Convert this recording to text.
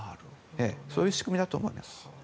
そういう仕組みだと思います。